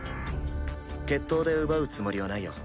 決闘で奪うつもりはないよ。